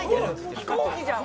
飛行機じゃん。